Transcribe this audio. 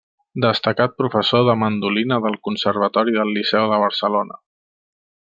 Destacat professor de mandolina del Conservatori del Liceu de Barcelona.